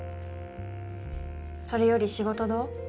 それより仕事どう？